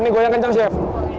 ini goyang kencang siap